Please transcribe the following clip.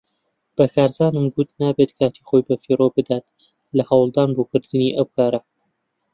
بە کارزانم گوت نابێت کاتی خۆی بەفیڕۆ بدات لە هەوڵدان بۆ کردنی ئەو کارە.